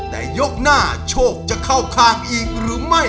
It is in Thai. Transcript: แต่ยกหน้าโชคจะเข้าข้างอีกหรือไม่